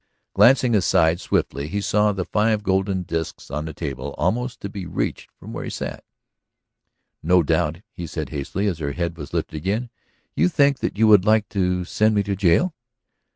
Glancing aside swiftly, he saw the five golden disks on the table, almost to be reached from where he sat. "No doubt," he said hastily, as her head was lifted again, "you think that you would like to send me to jail?"